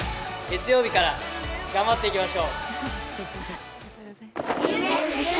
月曜日から頑張っていきましょう！